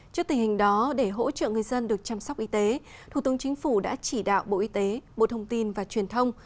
trước tình hình đó để hỗ trợ người dân được chăm sóc y tế thủ tướng chính phủ đã chỉ đạo bộ y tế bộ thông tin và truyền thông